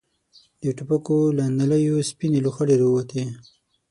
د ټوپکو له نليو سپينې لوخړې را ووتې.